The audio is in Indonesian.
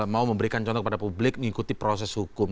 mau memberikan contoh kepada publik mengikuti proses hukum